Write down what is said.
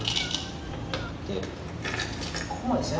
こうやってここまで先手で。